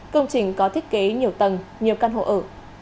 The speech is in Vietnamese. công trình có thiết kế nhiều tầng nhiều căn hộ ở